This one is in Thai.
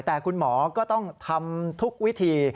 แต่คุณหมอก็ต้องทำทุกวิธี